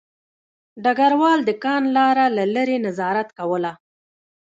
ډګروال د کان لاره له لیرې نظارت کوله